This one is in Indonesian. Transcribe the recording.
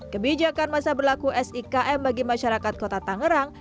kebijakan masa berlaku sikm bagi masyarakat kota tangerang